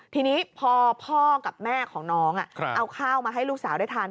ทีนี้พอพ่อกับแม่ของน้องเอาข้าวมาให้ลูกสาวได้ทาน